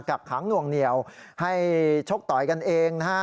กักขังหน่วงเหนียวให้ชกต่อยกันเองนะฮะ